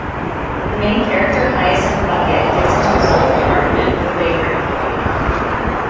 The main character, Hyacinth Bucket, gets into a telephone argument with a bakery employee.